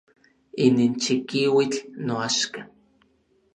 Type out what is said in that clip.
Inin chikiuitl noaxka.